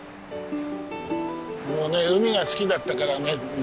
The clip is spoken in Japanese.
もうね海が好きだったからね。